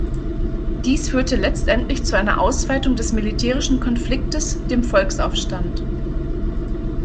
Dies führte letztendlich zu einer Ausweitung des militärischen Konfliktes, dem Volksaufstand.